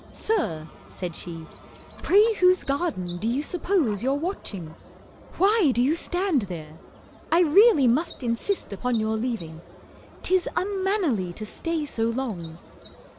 "Sir," said she, "pray whose Garden do you suppose you're watching? Why Do you stand there? I really must insist Upon your leaving. 'Tis unmannerly To stay so long."